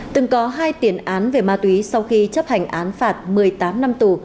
từng có hai tiền án về ma túy sau khi chấp hành án phạt một mươi tám năm tù